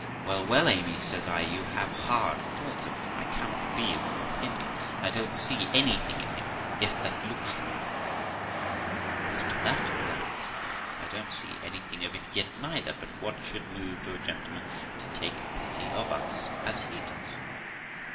'Well, well, Amy ,' says I, ' you have hard thoughts of him. I cannot be of your opinion: I don't see anything in him yet that looks like it.' 'As to that madam', says Amy, 'I don't see anything of it yet neither; but what should move a gentleman to take pity of us as he does